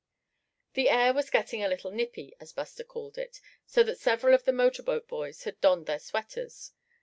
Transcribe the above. The air was getting a little "nippy," as Buster called it; so that several of the motorboat boys had donned their sweaters.